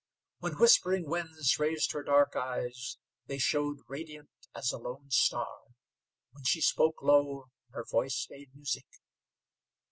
When Whispering Winds raised her dark eyes they showed radiant as a lone star; when she spoke low her voice made music.